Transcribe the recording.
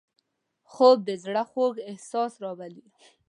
خوب د زړه خوږ احساس راولي